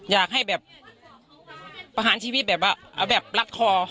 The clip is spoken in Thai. อยากให้แบบประหารชีวิตแบบลัดคอ